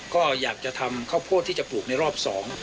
ก็อยากจะทำข้าวโพดที่จะปลูกในรอบ๒